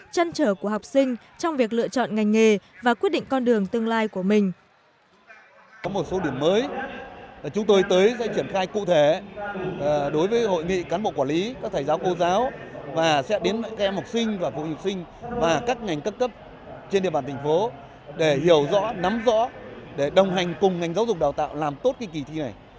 chân trở của học sinh trong việc lựa chọn ngành nghề và quyết định con đường tương lai của mình